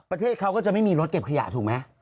ประเทศเขาก็จะไม่มีรถเก็บขยะถูกไหม